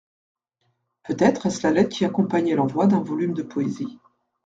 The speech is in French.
Peut-être est-ce la lettre qui accompagnait l'envoi d'un volume de poésie.